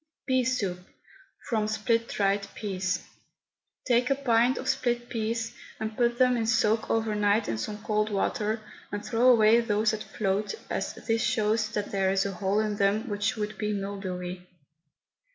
PEA SOUP, FROM SPLIT DRIED PEAS. Take a pint of split peas and put them in soak overnight in some cold water, and throw away those that float, as this shows that there is a hole in them which would be mildewy.